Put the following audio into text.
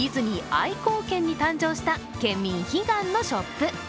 愛好県に誕生した県民悲願のショップ。